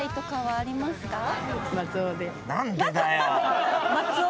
何でだよ。